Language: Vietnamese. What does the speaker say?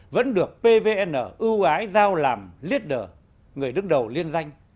vẫn được pvn ưu ái giao làm leader người đứng đầu liên danh